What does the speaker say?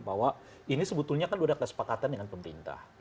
bahwa ini sebetulnya kan sudah ada kesepakatan dengan pemerintah